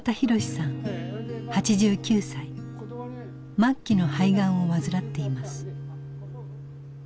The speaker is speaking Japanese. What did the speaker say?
末期の肺がんを患っています。